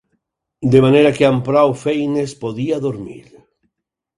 De manera que amb prou feines podia dormir